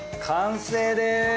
完成です。